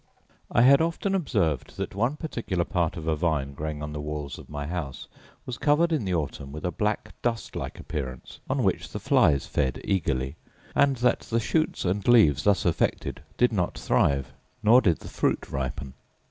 I had often observed that one particular part of a vine growing on the walls of my house was covered in the autumn with a black dust like appearance, on which the flies fed eagerly; and that the shoots and leaves thus affected did not thrive; nor did the fruit ripen.